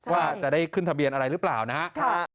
ว่าจะได้ขึ้นทะเบียนอะไรหรือเปล่านะครับ